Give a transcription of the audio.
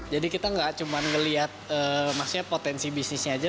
jadi kita gak cuma ngeliat maksudnya potensi bisnisnya aja